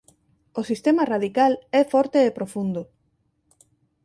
O sistema radical é forte e profundo.